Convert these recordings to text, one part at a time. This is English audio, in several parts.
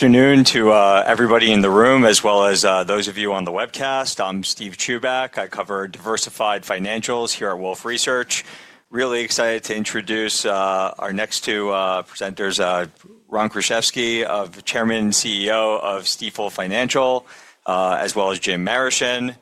Afternoon to everybody in the room, as well as those of you on the webcast. I'm Steve Chubak. I cover diversified financials here at Wolfe Research. Really excited to introduce our next two presenters, Ron Kruszewski, Chairman and CEO of Stifel Financial, as well as Jim Marischen.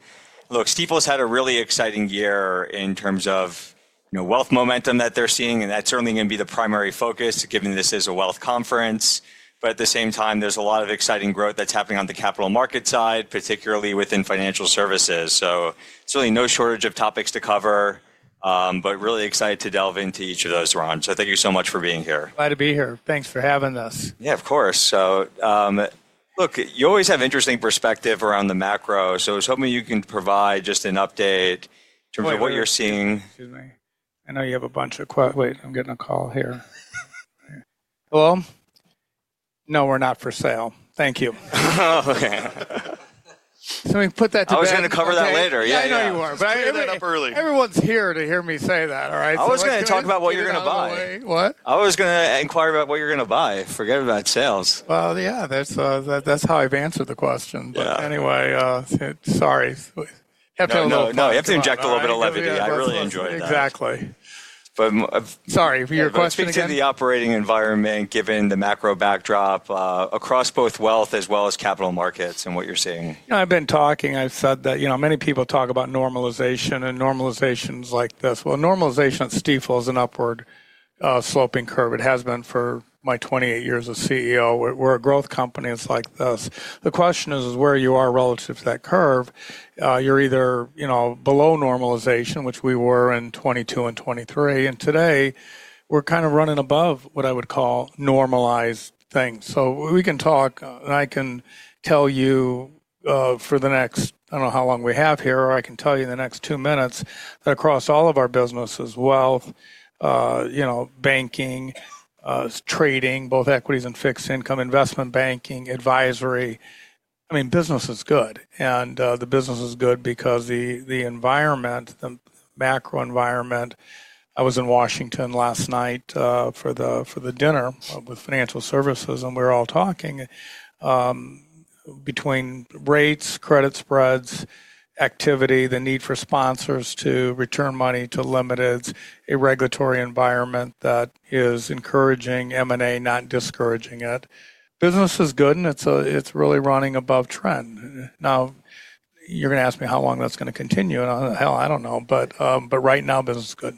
Look, Stifel's had a really exciting year in terms of wealth momentum that they're seeing, and that's certainly going to be the primary focus given this is a wealth conference. At the same time, there's a lot of exciting growth that's happening on the capital market side, particularly within financial services. It's really no shortage of topics to cover, but really excited to delve into each of those, Ron. Thank you so much for being here. Glad to be here. Thanks for having us. Yeah, of course. Look, you always have interesting perspective around the macro. I was hoping you can provide just an update in terms of what you're seeing. Excuse me. I know you have a bunch of questions. Wait, I'm getting a call here. Hello? No, we're not for sale. Thank you. Oh, okay. We put that together. I was going to cover that later. Yeah, yeah. I know you are, but I ended up early. Everyone's here to hear me say that, all right? I was going to talk about what you're going to buy. What? I was going to inquire about what you're going to buy. Forget about sales. Yeah, that's how I've answered the question. But anyway, sorry. No, you have to inject a little bit of levity. I really enjoyed that. Exactly. Sorry, your question again? Speak to the operating environment given the macro backdrop across both wealth as well as capital markets and what you're seeing? I've been talking. I've said that many people talk about normalization and normalizations like this. Well, normalization at Stifel is an upward sloping curve. It has been for my 28 years as CEO. We're a growth company. It's like this. The question is, where you are relative to that curve, you're either below normalization, which we were in 2022 and 2023, and today we're kind of running above what I would call normalized things. So we can talk, and I can tell you for the next, I don't know how long we have here, or I can tell you in the next two minutes that across all of our businesses, wealth, banking, trading, both equities and fixed income, investment banking, advisory, I mean, business is good. The business is good because the environment, the macro environment. I was in Washington last night for the dinner with financial services, and we were all talking between rates, credit spreads, activity, the need for sponsors to return money to limited, a regulatory environment that is encouraging M&A, not discouraging it. Business is good, and it's really running above trend. Now, you're going to ask me how long that's going to continue, and hell, I don't know. But right now, business is good.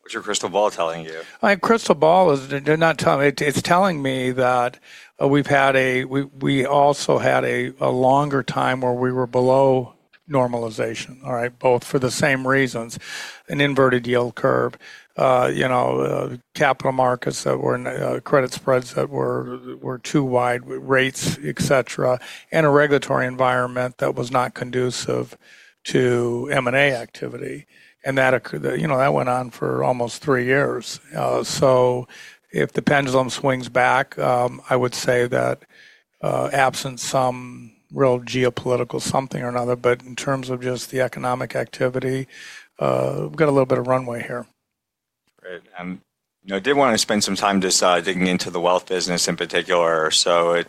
What's your crystal ball telling you? My crystal ball is not telling me. It's telling me that we've had a, we also had a longer time where we were below normalization, all right, both for the same reasons, an inverted yield curve, capital markets that were credit spreads that were too wide, rates, et cetera, and a regulatory environment that was not conducive to M&A activity. That went on for almost three years. So if the pendulum swings back, I would say that absent some real geopolitical something or another, but in terms of just the economic activity, we've got a little bit of runway here. Great. And I did want to spend some time just digging into the wealth business in particular. So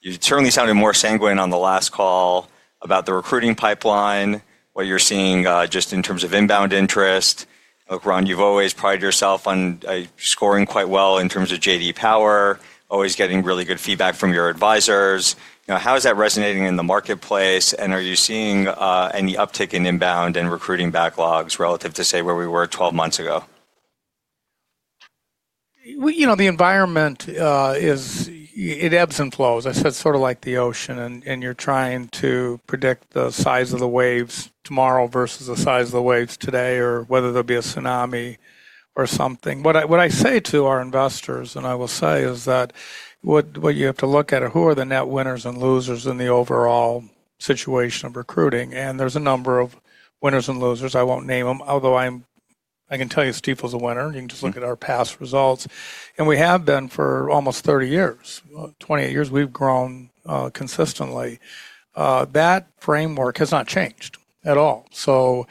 you certainly sounded more sanguine on the last call about the recruiting pipeline, what you're seeing just in terms of inbound interest. Look, Ron, you've always prided yourself on scoring quite well in terms of J.D. Power, always getting really good feedback from your advisors. How is that resonating in the marketplace? And are you seeing any uptick in inbound and recruiting backlogs relative to, say, where we were 12 months ago? You know, the environment, it ebbs and flows. I said sort of like the ocean, and you're trying to predict the size of the waves tomorrow versus the size of the waves today or whether there'll be a tsunami or something. What I say to our investors, and I will say, is that what you have to look at are who are the net winners and losers in the overall situation of recruiting. And there's a number of winners and losers. I won't name them, although I can tell you Stifel's a winner. You can just look at our past results. And we have been for almost 30 years, 28 years. We've grown consistently. That framework has not changed at all. So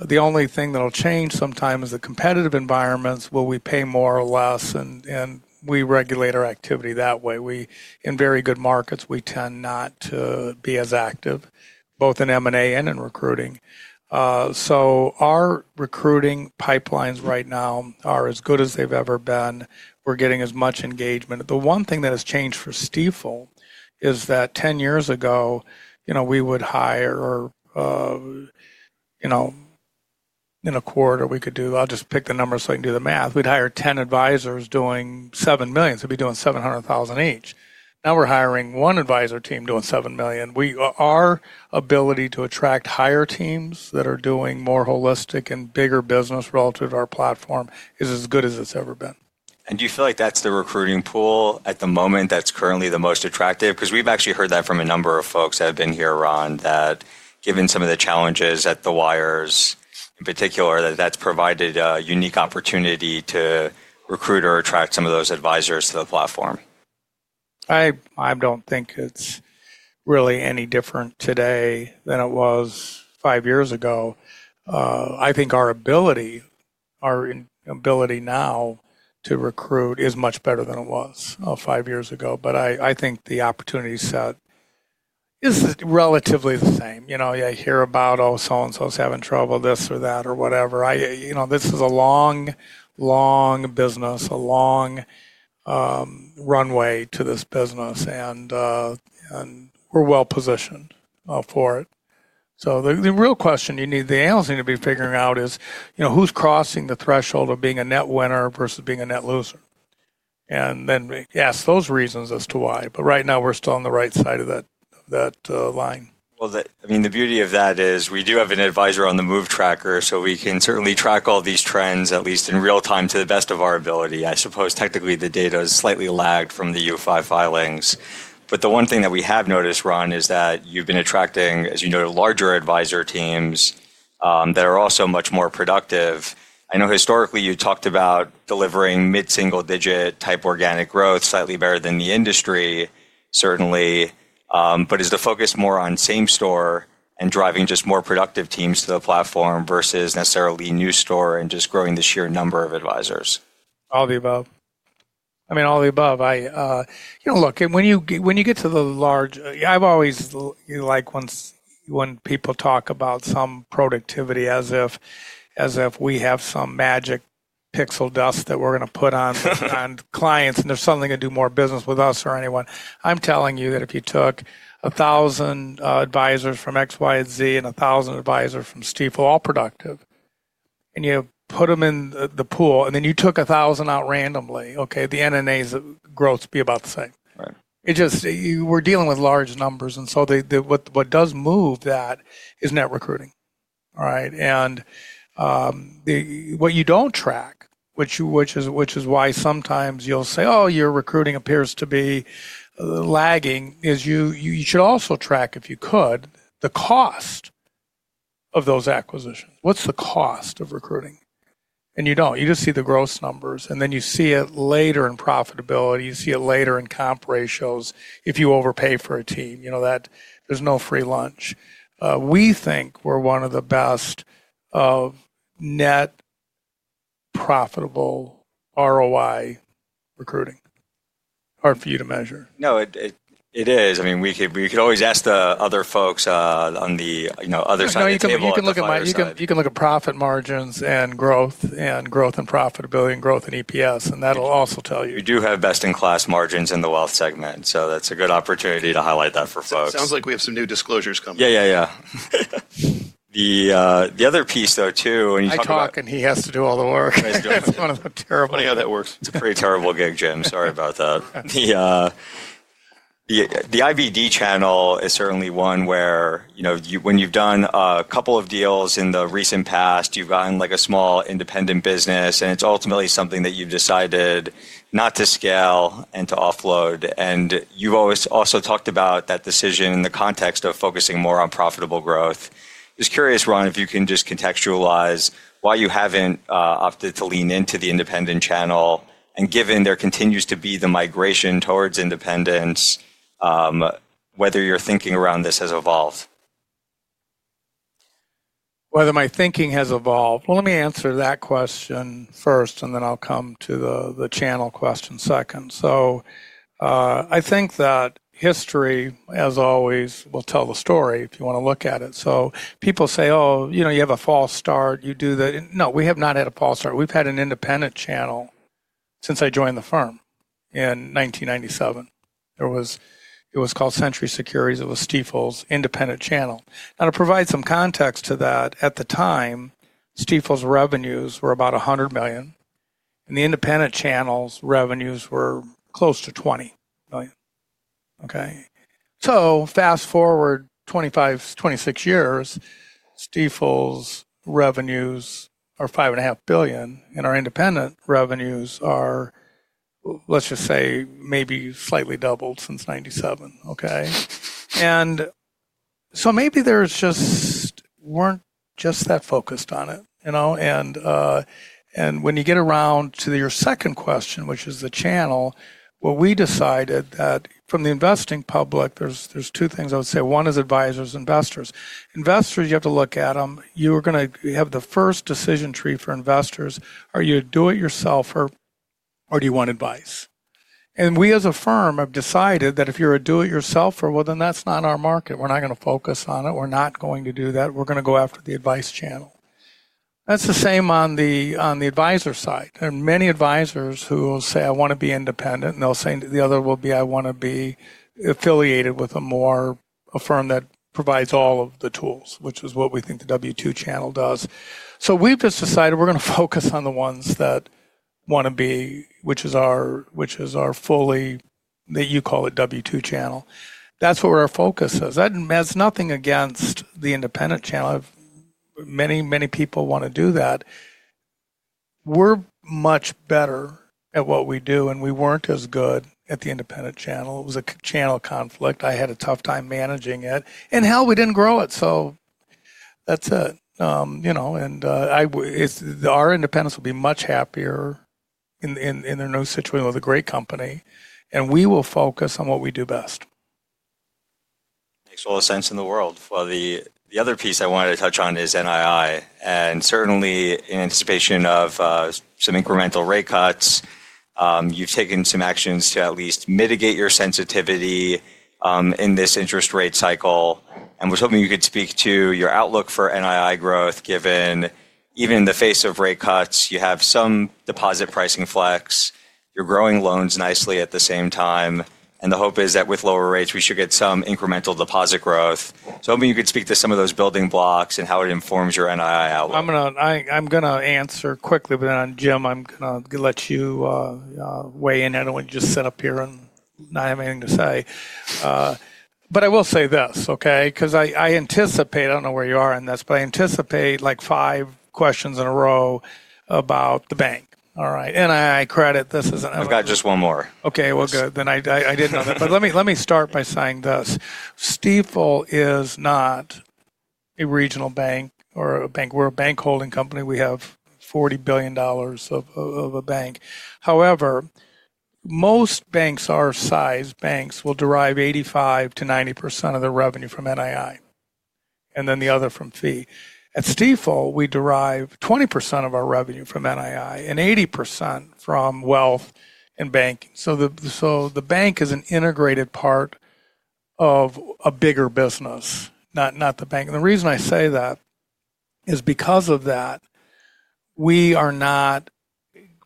the only thing that'll change sometime is the competitive environments. Will we pay more or less? And we regulate our activity that way. In very good markets, we tend not to be as active, both in M&A and in recruiting. Our recruiting pipelines right now are as good as they've ever been. We're getting as much engagement. The one thing that has changed for Stifel is that 10 years ago, we would hire, in a quarter, we could do, I'll just pick the number so I can do the math. We'd hire 10 advisors doing $7 million. We'd be doing $700,000 each. Now we're hiring one advisor team doing $7 million. Our ability to attract higher teams that are doing more holistic and bigger business relative to our platform is as good as it's ever been. And do you feel like that's the recruiting pool at the moment that's currently the most attractive? Because we've actually heard that from a number of folks that have been here, Ron, that given some of the challenges at the wires in particular, that that's provided a unique opportunity to recruit or attract some of those advisors to the platform. I don't think it's really any different today than it was five years ago. I think our ability, our ability now to recruit is much better than it was five years ago. But I think the opportunity set is relatively the same. You hear about, oh, so-and-so is having trouble, this or that or whatever. This is a long, long business, a long runway to this business, and we're well positioned for it. So the real question you need, the analyst need to be figuring out is who's crossing the threshold of being a net winner versus being a net loser? And then ask those reasons as to why. But right now, we're still on the right side of that line. I mean, the beauty of that is we do have an advisor on the move tracker, so we can certainly track all these trends, at least in real time to the best of our ability. I suppose technically the data is slightly lagged from the U5 filings. But the one thing that we have noticed, Ron, is that you've been attracting, as you noted, larger advisor teams that are also much more productive. I know historically you talked about delivering mid-single digit type organic growth slightly better than the industry, certainly. But is the focus more on same store and driving just more productive teams to the platform versus necessarily new store and just growing the sheer number of advisors? All the above. I mean, all the above. Look, when you get to the large, I've always liked when people talk about some productivity as if we have some magic pixel dust that we're going to put on clients and they're suddenly going to do more business with us or anyone. I'm telling you that if you took 1,000 advisors from X, Y, and Z and 1,000 advisors from Stifel, all productive, and you put them in the pool and then you took 1,000 out randomly, okay, the NNA's growth would be about the same. We're dealing with large numbers. And so what does move that is net recruiting. And what you don't track, which is why sometimes you'll say, oh, your recruiting appears to be lagging, is you should also track, if you could, the cost of those acquisitions. What's the cost of recruiting? And you don't. You just see the gross numbers, and then you see it later in profitability. You see it later in comp ratios if you overpay for a team. There's no free lunch. We think we're one of the best net profitable ROI recruiting. Hard for you to measure. No, it is. I mean, we could always ask the other folks on the other side of the table. You can look at profit margins and growth and growth and profitability and growth and EPS, and that'll also tell you. We do have best-in-class margins in the wealth segment. So that's a good opportunity to highlight that for folks. Sounds like we have some new disclosures coming. Yeah, yeah, yeah. The other piece though, too, when you talk about. I talk and he has to do all the work. It's one of the terrible. I know that works. It's a pretty terrible gig, Jim. Sorry about that. The IBD channel is certainly one where when you've done a couple of deals in the recent past, you've gotten like a small independent business, and it's ultimately something that you've decided not to scale and to offload. And you've always also talked about that decision in the context of focusing more on profitable growth. Just curious, Ron, if you can just contextualize why you haven't opted to lean into the independent channel. And given there continues to be the migration towards independence, whether your thinking around this has evolved. Whether my thinking has evolved, well, let me answer that question first, and then I'll come to the channel question second. So I think that history, as always, will tell the story if you want to look at it. So people say, oh, you have a false start. You do that. No, we have not had a false start. We've had an independent channel since I joined the firm in 1997. It was called Century Securities. It was Stifel's independent channel. Now, to provide some context to that, at the time, Stifel's revenues were about 100 million, and the independent channel's revenues were close to 20 million. Okay? So fast forward 25, 26 years, Stifel's revenues are 5.5 billion, and our independent revenues are, let's just say, maybe slightly doubled since '97. Okay? And so maybe there just weren't just that focused on it. And when you get around to your second question, which is the channel, what we decided that from the investing public, there's two things I would say. One is advisors, investors. Investors, you have to look at them. You're going to have the first decision tree for investors. Are you a do-it-yourselfer or do you want advice? And we as a firm have decided that if you're a do-it-yourselfer, well, then that's not our market. We're not going to focus on it. We're not going to do that. We're going to go after the advice channel. That's the same on the advisor side. And many advisors who will say, I want to be independent, and the other will be, I want to be affiliated with a firm that provides all of the tools, which is what we think the W-2 channel does. So we've just decided we're going to focus on the ones that want to be, which is our fully, that you call it W-2 channel. That's where our focus is. That has nothing against the independent channel. Many, many people want to do that. We're much better at what we do, and we weren't as good at the independent channel. It was a channel conflict. I had a tough time managing it. And hell, we didn't grow it. So that's it. And our independence will be much happier in their new situation with a great company. And we will focus on what we do best. Makes all the sense in the world. The other piece I wanted to touch on is NII. And certainly, in anticipation of some incremental rate cuts, you've taken some actions to at least mitigate your sensitivity in this interest rate cycle. And we're hoping you could speak to your outlook for NII growth, given even in the face of rate cuts, you have some deposit pricing flex. You're growing loans nicely at the same time. And the hope is that with lower rates, we should get some incremental deposit growth. So I hope you could speak to some of those building blocks and how it informs your NII outlook. I'm going to answer quickly, but then on Jim, I'm going to let you weigh in. I don't want you to just sit up here and not have anything to say. But I will say this, okay? Because I anticipate, I don't know where you are in this, but I anticipate like five questions in a row about the bank. All right? NII credit, this isn't an. I've got just one more. Okay, well, good. Then I didn't know that. But let me start by saying this. Stifel is not a regional bank or a bank. We're a bank holding company. We have $40 billion of a bank. However, most banks our size banks will derive 85%-90% of their revenue from NII and then the other from fee. At Stifel, we derive 20% of our revenue from NII and 80% from wealth and banking. So the bank is an integrated part of a bigger business, not the bank. And the reason I say that is because of that, we are not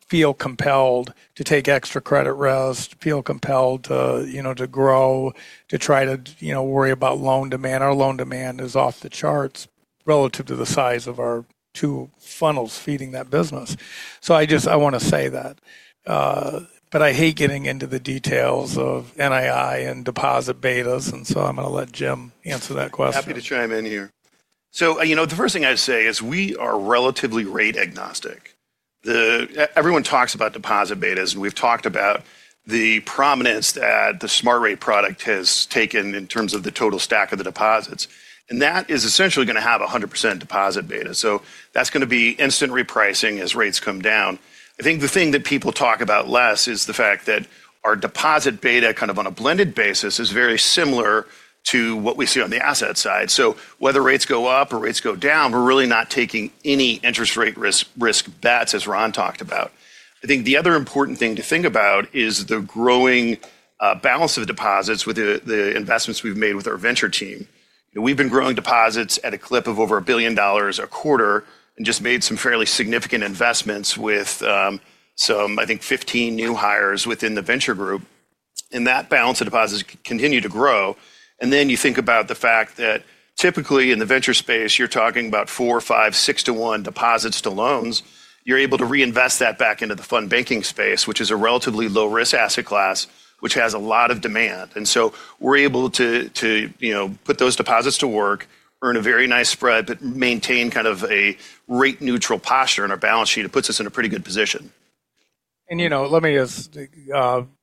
feel compelled to take extra credit risk, feel compelled to grow, to try to worry about loan demand. Our loan demand is off the charts relative to the size of our two funnels feeding that business. So I want to say that. But I hate getting into the details of NII and deposit betas. And so I'm going to let Jim answer that question. Happy to chime in here. So the first thing I'd say is we are relatively rate agnostic. Everyone talks about deposit betas, and we've talked about the prominence that the SmartRate product has taken in terms of the total stack of the deposits. And that is essentially going to have 100% deposit beta. So that's going to be instant repricing as rates come down. I think the thing that people talk about less is the fact that our deposit beta kind of on a blended basis is very similar to what we see on the asset side. So whether rates go up or rates go down, we're really not taking any interest rate risk bets, as Ron talked about. I think the other important thing to think about is the growing balance of deposits with the investments we've made with our venture team. We've been growing deposits at a clip of over a billion dollars a quarter and just made some fairly significant investments with some, I think, 15 new hires within the venture group. And that balance of deposits continued to grow. And then you think about the fact that typically in the venture space, you're talking about four, five, six to one deposits to loans. You're able to reinvest that back into the fund banking space, which is a relatively low-risk asset class, which has a lot of demand. And so we're able to put those deposits to work, earn a very nice spread, but maintain kind of a rate-neutral posture in our balance sheet. It puts us in a pretty good position. And let me just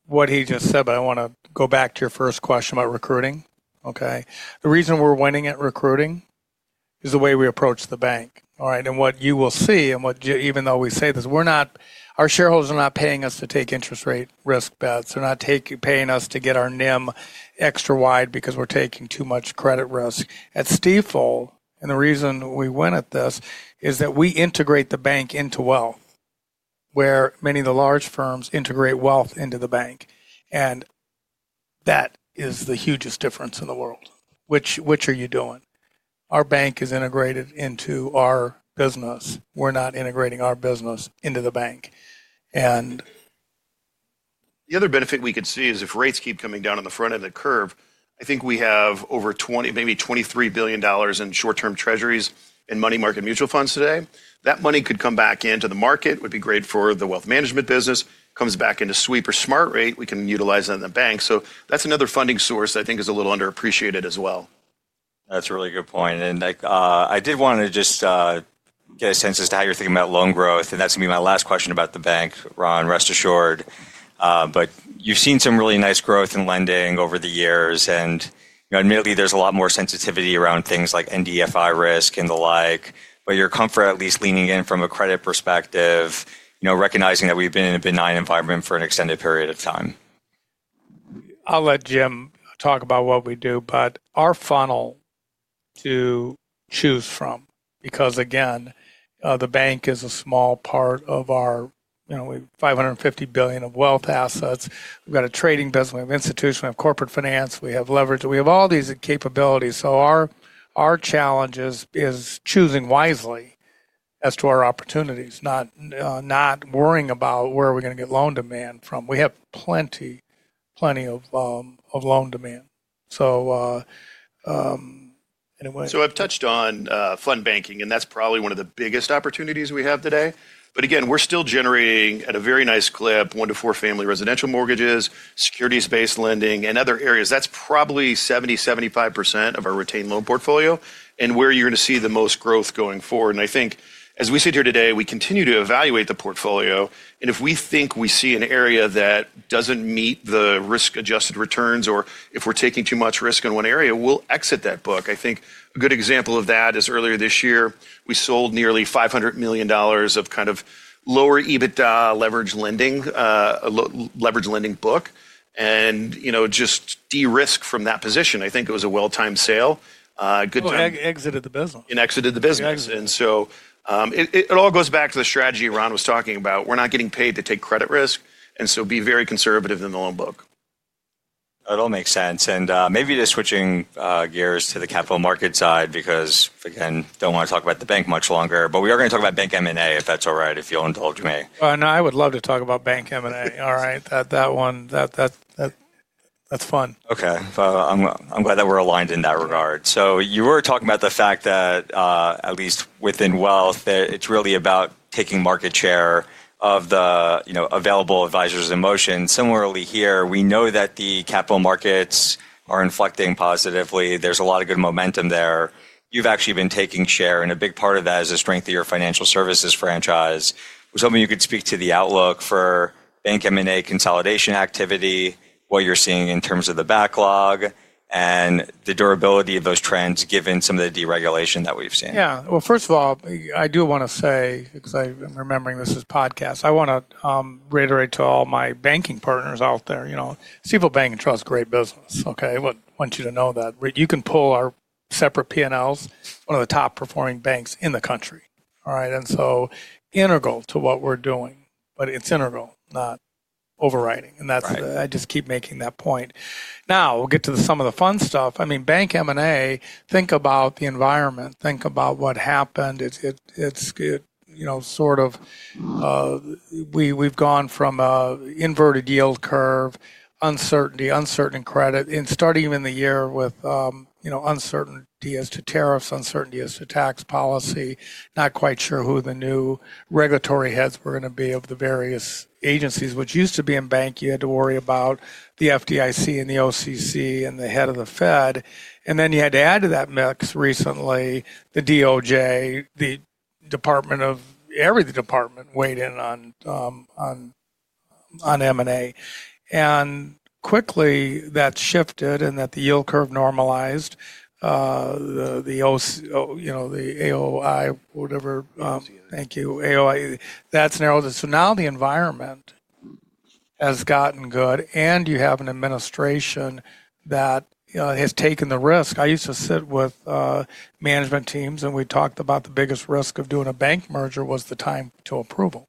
what he just said, but I want to go back to your first question about recruiting. Okay? The reason we're winning at recruiting is the way we approach the bank. All right? And what you will see and even though we say this, our shareholders are not paying us to take interest rate risk bets. They're not paying us to get our NIM extra wide because we're taking too much credit risk. At Stifel, and the reason we win at this is that we integrate the bank into wealth, where many of the large firms integrate wealth into the bank. And that is the hugest difference in the world. Which are you doing? Our bank is integrated into our business. We're not integrating our business into the bank. And. The other benefit we could see is if rates keep coming down on the front end of the curve, I think we have over [$20 billion], maybe $23 billion in short-term treasuries and money market mutual funds today. That money could come back into the market. It would be great for the wealth management business. Comes back into Sweep or SmartRate, we can utilize that in the bank. So that's another funding source that I think is a little underappreciated as well. That's a really good point. And I did want to just get a sense as to how you're thinking about loan growth. And that's going to be my last question about the bank, Ron. Rest assured. But you've seen some really nice growth in lending over the years. And admittedly, there's a lot more sensitivity around things like NDFI risk and the like. But your comfort, at least leaning in from a credit perspective, recognizing that we've been in a benign environment for an extended period of time. I'll let Jim talk about what we do, but our funnel to choose from. Because again, the bank is a small part of our 550 billion of wealth assets. We've got a trading business. We have institutions. We have corporate finance. We have leverage. We have all these capabilities. So our challenge is choosing wisely as to our opportunities, not worrying about where are we going to get loan demand from. We have plenty, plenty of loan demand. So anyway. So I've touched on fund banking, and that's probably one of the biggest opportunities we have today. But again, we're still generating at a very nice clip, one to four family residential mortgages, securities-based lending, and other areas. That's probably 70%, 75% of our retained loan portfolio and where you're going to see the most growth going forward. And I think as we sit here today, we continue to evaluate the portfolio. And if we think we see an area that doesn't meet the risk-adjusted returns or if we're taking too much risk in one area, we'll exit that book. I think a good example of that is earlier this year, we sold nearly $500 million of kind of lower EBITDA leverage lending book. And just de-risk from that position. I think it was a well-timed sale. Well, exited the business. And exited the business. And so it all goes back to the strategy Ron was talking about. We're not getting paid to take credit risk. And so be very conservative in the loan book. That all makes sense. And maybe just switching gears to the capital market side because, again, don't want to talk about the bank much longer. But we are going to talk about Bank M&A if that's all right, if you'll indulge me. And I would love to talk about Bank M&A. All right? That one, that's fun. Okay. I'm glad that we're aligned in that regard. So you were talking about the fact that at least within wealth, it's really about taking market share of the available advisors in motion. Similarly here, we know that the capital markets are inflecting positively. There's a lot of good momentum there. You've actually been taking share. And a big part of that is the strength of your financial services franchise. I was hoping you could speak to the outlook for Bank M&A consolidation activity, what you're seeing in terms of the backlog, and the durability of those trends given some of the deregulation that we've seen. Yeah. Well, first of all, I do want to say, because I'm remembering this is podcast, I want to reiterate to all my banking partners out there, Stifel Bank and Trust, great business. Okay? Want you to know that. You can pull our separate P&Ls, one of the top-performing banks in the country. All right? And so integral to what we're doing. But it's integral, not overriding. And I just keep making that point. Now, we'll get to the sum of the fun stuff. I mean, Bank M&A, think about the environment. Think about what happened. It's sort of we've gone from an inverted yield curve, uncertainty, uncertain credit, and starting in the year with uncertainty as to tariffs, uncertainty as to tax policy. Not quite sure who the new regulatory heads were going to be of the various agencies, which used to be in bank. You had to worry about the FDIC and the OCC and the head of the Fed. And then you had to add to that mix recently the DOJ, the Department of every department weighed in on M&A. And quickly, that shifted and that the yield curve normalized. The AOI, whatever. Thank you. AOI. That's narrowed. So now the environment has gotten good. And you have an administration that has taken the risk. I used to sit with management teams and we talked about the biggest risk of doing a bank merger was the time to approval.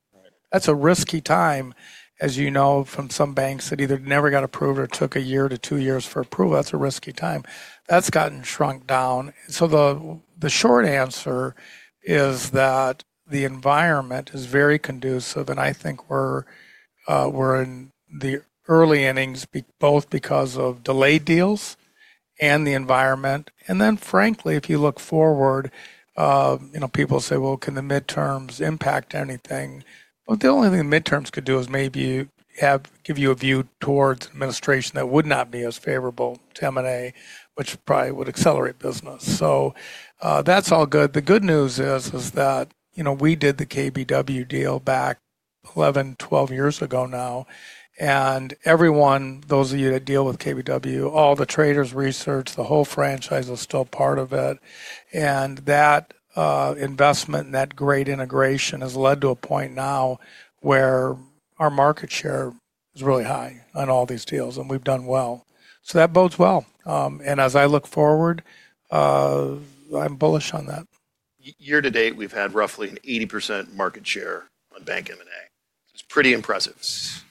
That's a risky time, as you know, from some banks that either never got approved or took a year to two years for approval. That's a risky time. That's gotten shrunk down. So the short answer is that the environment is very conducive. And I think we're in the early innings both because of delayed deals and the environment. And then frankly, if you look forward, people say, well, can the midterms impact anything? Well, the only thing the midterms could do is maybe give you a view towards administration that would not be as favorable to M&A, which probably would accelerate business. So that's all good. The good news is that we did the KBW deal back 11, 12 years ago now. And everyone, those of you that deal with KBW, all the traders research, the whole franchise is still part of it. And that investment and that great integration has led to a point now where our market share is really high on all these deals. And we've done well. So that bodes well. And as I look forward, I'm bullish on that. Year to date, we've had roughly an 80% market share on Bank M&A. It's pretty impressive.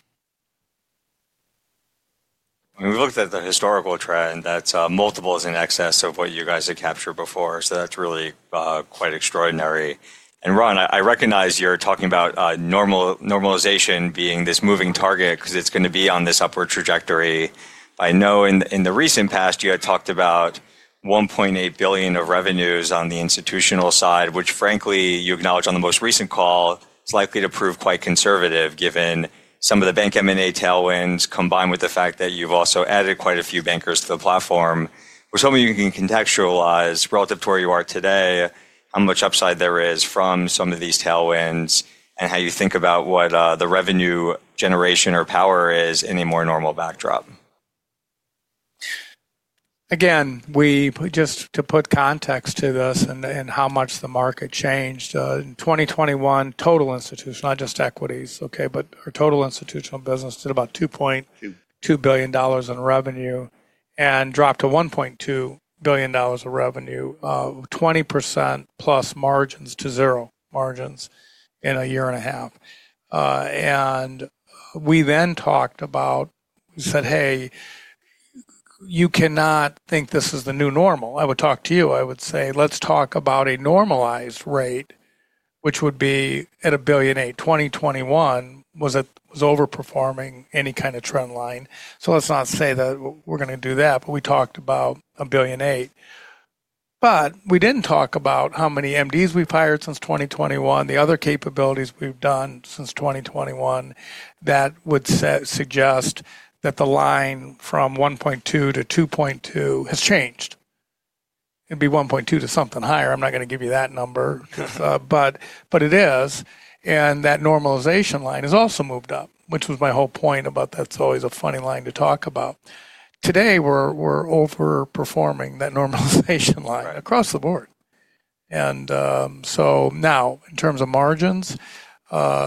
We looked at the historical trend. That's multiples in excess of what you guys had captured before. So that's really quite extraordinary. And Ron, I recognize you're talking about normalization being this moving target because it's going to be on this upward trajectory. I know in the recent past, you had talked about 1.8 billion of revenues on the institutional side, which frankly, you acknowledge on the most recent call, it's likely to prove quite conservative given some of the Bank M&A tailwinds combined with the fact that you've also added quite a few bankers to the platform. I was hoping you can contextualize relative to where you are today, how much upside there is from some of these tailwinds and how you think about what the revenue generation or power is in a more normal backdrop. Again, just to put context to this and how much the market changed. In 2021, total institutional, not just equities, okay, but our total institutional business did about $2.2 billion in revenue and dropped to $1.2 billion of revenue, 20%+ margins to zero margins in a year and a half. And we then talked about, we said, "Hey, you cannot think this is the new normal." I would talk to you. I would say, "Let's talk about a normalized rate," which would be at a billion eight. 2021 was overperforming any kind of trend line. So let's not say that we're going to do that, but we talked about a billion eight. But we didn't talk about how many MDs we've hired since 2021, the other capabilities we've done since 2021 that would suggest that the line from 1.2-2.2 has changed. It'd be 1.2 to something higher. I'm not going to give you that number, but it is. And that normalization line has also moved up, which was my whole point about that's always a funny line to talk about. Today, we're overperforming that normalization line across the board. And so now, in terms of margins,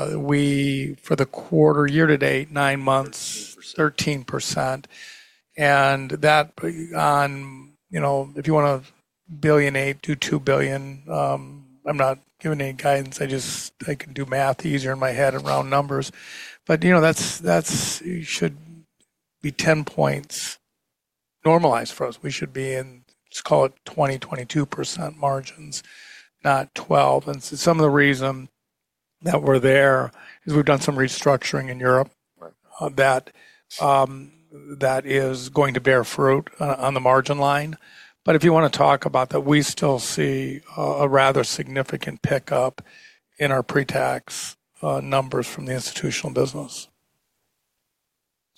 we for the quarter year to date, nine months, 13%. And that on if you want to billion eight to two billion, I'm not giving any guidance. I can do math easier in my head around numbers. But that should be 10 points normalized for us. We should be in, let's call it 20%, 22% margins, not 12. And some of the reason that we're there is we've done some restructuring in Europe that is going to bear fruit on the margin line. But if you want to talk about that, we still see a rather significant pickup in our pre-tax numbers from the institutional business.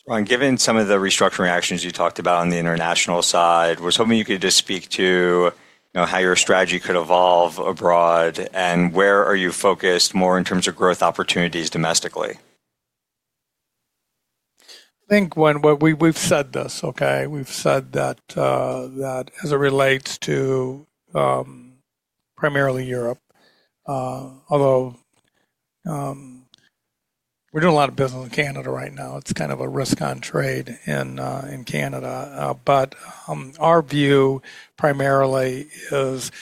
Ron, given some of the restructuring actions you talked about on the international side, I was hoping you could just speak to how your strategy could evolve abroad and where are you focused more in terms of growth opportunities domestically? I think when we've said this, okay, we've said that as it relates to primarily Europe, although we're doing a lot of business in Canada right now. It's kind of a risk on trade in Canada. But our view primarily is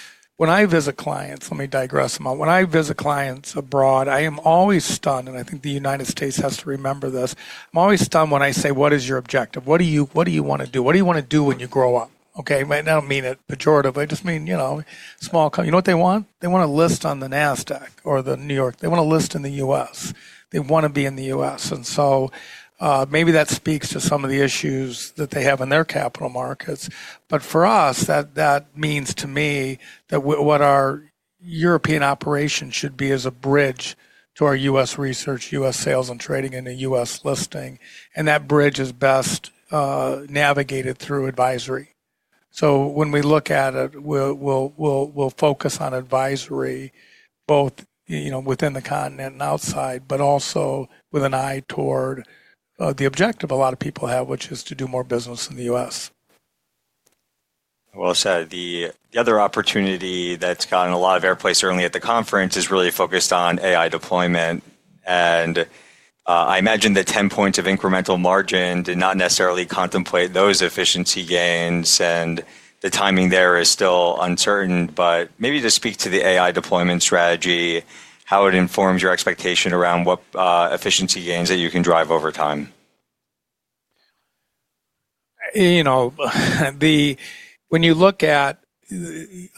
when I visit clients, let me digress a moment. When I visit clients abroad, I am always stunned, and I think the United States has to remember this. I'm always stunned when I say, "What is your objective? What do you want to do? What do you want to do when you grow up?" Okay? I don't mean it pejoratively. I just mean small company. You know what they want? They want a list on the NASDAQ or the New York. They want a list in the U.S. They want to be in the U.S. And so maybe that speaks to some of the issues that they have in their capital markets. But for us, that means to me that what our European operation should be is a bridge to our U.S research, U.S sales and trading in a U.S listing. And that bridge is best navigated through advisory. So when we look at it, we'll focus on advisory both within the continent and outside, but also with an eye toward the objective a lot of people have, which is to do more business in the U.S. Well, the other opportunity that's gotten a lot of airplay certainly at the conference is really focused on AI deployment. And I imagine the 10 points of incremental margin did not necessarily contemplate those efficiency gains. And the timing there is still uncertain. But maybe to speak to the AI deployment strategy, how it informs your expectation around what efficiency gains that you can drive over time. When you look at,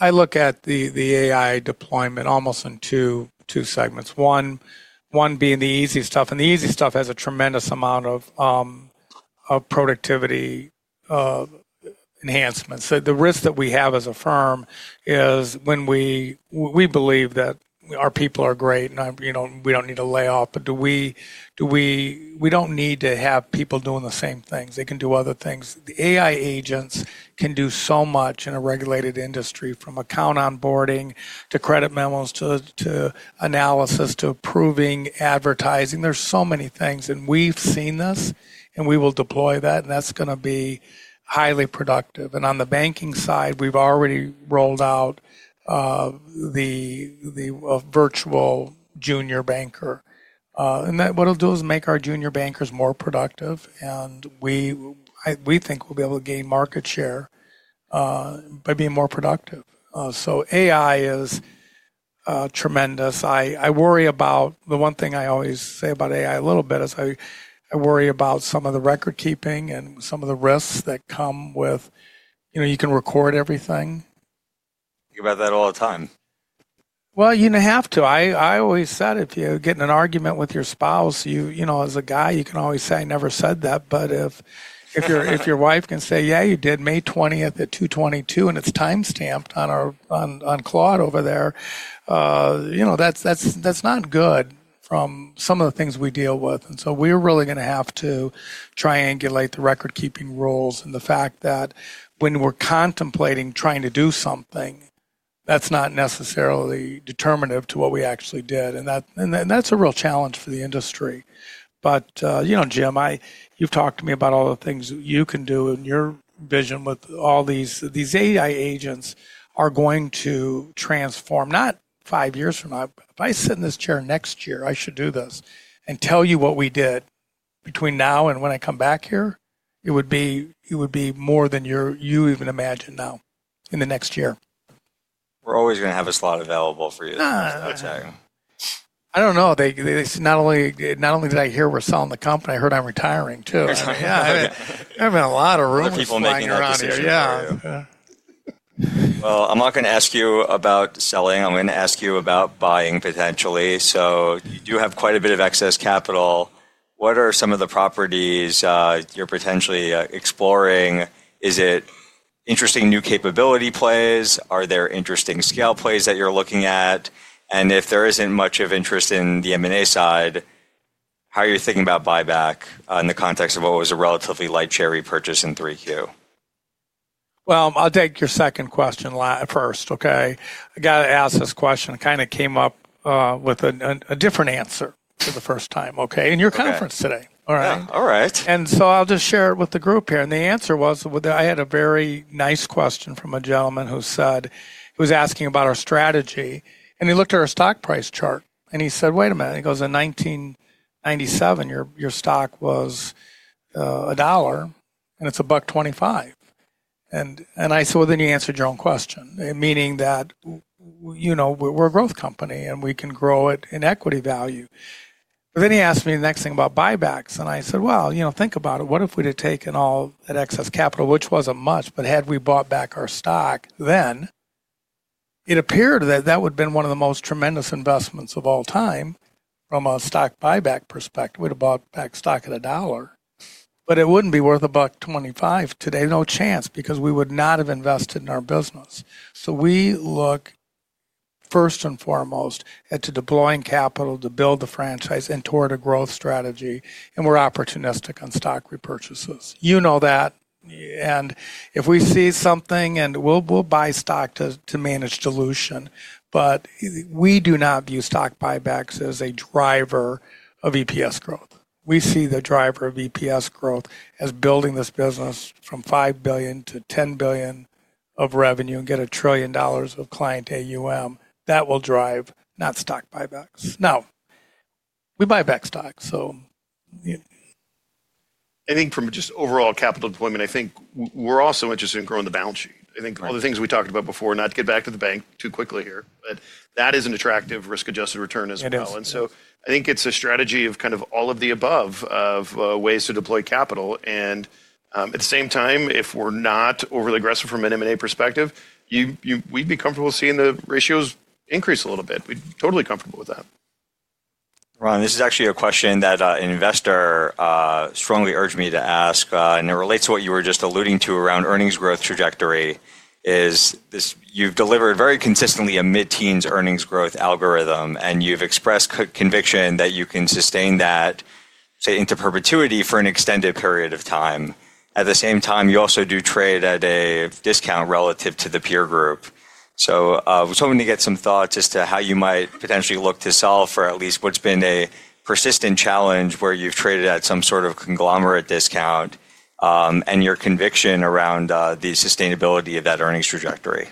I look at the AI deployment almost in two segments. One being the easy stuff. And the easy stuff has a tremendous amount of productivity enhancements. The risk that we have as a firm is when we believe that our people are great and we don't need to lay off. But we don't need to have people doing the same things. They can do other things. The AI agents can do so much in a regulated industry from account onboarding to credit memos to analysis to approving advertising. There's so many things. And we've seen this. And we will deploy that. And that's going to be highly productive. And on the banking side, we've already rolled out the virtual junior banker. And what it'll do is make our junior bankers more productive. And we think we'll be able to gain market share by being more productive. So AI is tremendous. I worry about the one thing I always say about AI a little bit is I worry about some of the record keeping and some of the risks that come with you can record everything. You hear about that all the time. Well, you have to. I always said if you're getting an argument with your spouse, as a guy, you can always say, "I never said that." But if your wife can say, "Yeah, you did May 20th at 2:22, and it's timestamped on Claude over there," that's not good from some of the things we deal with. And so we're really going to have to triangulate the record keeping rules and the fact that when we're contemplating trying to do something, that's not necessarily determinative to what we actually did. And that's a real challenge for the industry. But Jim, you've talked to me about all the things you can do in your vision with all these AI agents are going to transform, not five years from now. If I sit in this chair next year, I should do this and tell you what we did between now and when I come back here, it would be more than you even imagine now in the next year. We're always going to have a slot available for you. I don't know. Not only did I hear we're selling the company, I heard I'm retiring too. I've been in a lot of rooms. People making interest here. Yeah. I'm not going to ask you about selling. I'm going to ask you about buying potentially. You do have quite a bit of excess capital. What are some of the properties you're potentially exploring? Is it interesting new capability plays? Are there interesting scale plays that you're looking at? If there isn't much of interest in the M&A side, how are you thinking about buyback in the context of what was a relatively light cherry purchase in 3Q? I'll take your second question first, okay? I got to ask this question. I kind of came up with a different answer for the first time, okay, in your conference today. All right. All right. I'll just share it with the group here. The answer was I had a very nice question from a gentleman who said he was asking about our strategy. He looked at our stock price chart. He said, "Wait a minute." He goes, "In 1997, your stock was a dollar, and it's a buck 25." I said, "Then you answered your own question," meaning that we're a growth company and we can grow it in equity value. Then he asked me the next thing about buybacks. I said, "Think about it. What if we'd have taken all that excess capital, which wasn't much, but had we bought back our stock then?" It appeared that that would have been one of the most tremendous investments of all time from a stock buyback perspective. We'd have bought back stock at a dollar, but it wouldn't be worth a buck 25 today. No chance because we would not have invested in our business. So we look first and foremost at deploying capital to build the franchise and toward a growth strategy. And we're opportunistic on stock repurchases. You know that. And if we see something, and we'll buy stock to manage dilution, but we do not view stock buybacks as a driver of EPS growth. We see the driver of EPS growth as building this business from $5 billion to $10 billion of revenue and get $1 trillion of client AUM. That will drive not stock buybacks. Now, we buy back stock, so. I think from just overall capital deployment, I think we're also interested in growing the balance sheet. I think all the things we talked about before, not to get back to the bank too quickly here, but that is an attractive risk-adjusted return as well. And so I think it's a strategy of kind of all of the above of ways to deploy capital. And at the same time, if we're not overly aggressive from an M&A perspective, we'd be comfortable seeing the ratios increase a little bit. We'd be totally comfortable with that. Ron, this is actually a question that an investor strongly urged me to ask. And it relates to what you were just alluding to around earnings growth trajectory is you've delivered very consistently a mid-teens earnings growth algorithm, and you've expressed conviction that you can sustain that, say, into perpetuity for an extended period of time. At the same time, you also do trade at a discount relative to the peer group. So I was hoping to get some thoughts as to how you might potentially look to solve for at least what's been a persistent challenge where you've traded at some sort of conglomerate discount and your conviction around the sustainability of that earnings trajectory.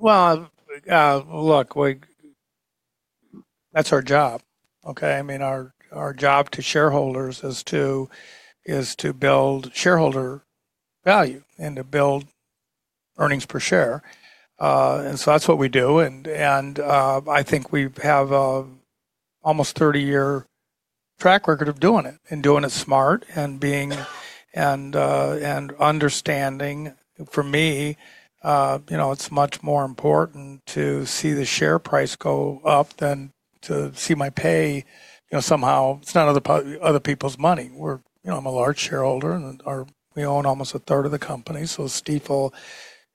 Look, that's our job, okay? I mean, our job to shareholders is to build shareholder value and to build earnings per share. And so that's what we do. And I think we have almost a 30-year track record of doing it and doing it smart and understanding. For me, it's much more important to see the share price go up than to see my pay somehow. It's not other people's money. I'm a large shareholder. We own almost a third of the company. So Stifel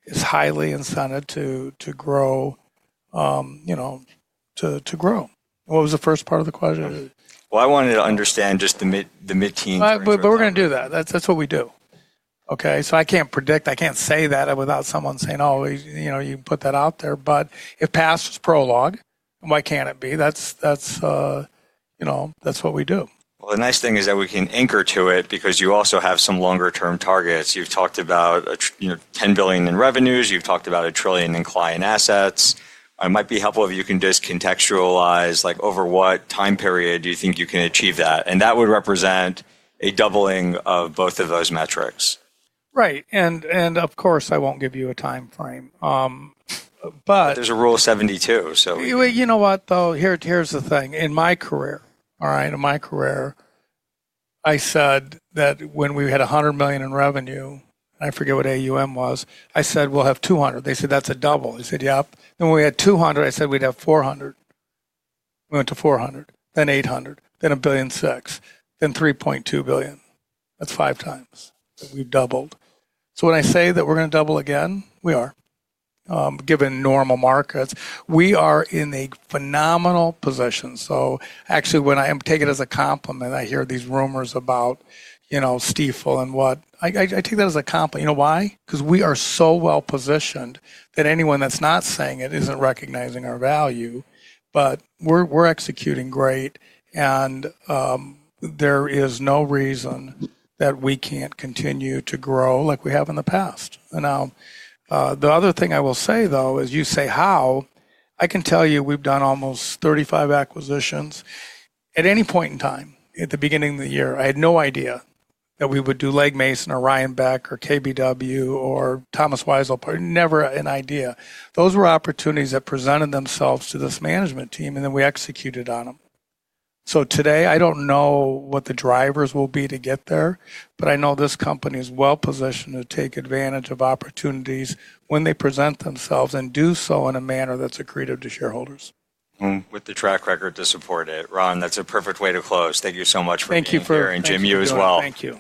is highly incented to grow. What was the first part of the question? Well, I wanted to understand just the mid-teens. But we're going to do that. That's what we do, okay? So I can't predict. I can't say that without someone saying, "Oh, you can put that out there." But if past is prologue, why can't it be? That's what we do. The nice thing is that we can anchor to it because you also have some longer-term targets. You've talked about $10 billion in revenues. You've talked about $1 trillion in client assets. It might be helpful if you can just contextualize over what time period do you think you can achieve that? That would represent a doubling of both of those metrics. Right. And of course, I won't give you a time frame, but. There's a rule of 72, so. You know what, though? Here's the thing. In my career, all right? In my career, I said that when we had $100 million in revenue, I forget what AUM was. I said, "We'll have $200 million." They said, "That's a double." I said, "Yep." When we had $200 million, I said, "We'd have $400 million." We went to $400 million, then $800 million, then $1.6 billion, then $3.2 billion. That's 5x. We've doubled. When I say that we're going to double again, we are, given normal markets. We are in a phenomenal position. Actually, I take it as a compliment. I hear these rumors about Stifel and I take that as a compliment. You know why? Because we are so well positioned that anyone that's not saying it isn't recognizing our value. We're executing great. And there is no reason that we can't continue to grow like we have in the past. Now, the other thing I will say, though, as you say how, I can tell you we've done almost 35 acquisitions at any point in time. At the beginning of the year, I had no idea that we would do Legg Mason or Ryan Beck or KBW or Thomas Weisel. Never an idea. Those were opportunities that presented themselves to this management team, and then we executed on them. So today, I don't know what the drivers will be to get there, but I know this company is well positioned to take advantage of opportunities when they present themselves and do so in a manner that's accretive to shareholders. With the track record to support it. Ron, that's a perfect way to close. Thank you so much for being here and, Jim, you as well. Thank you.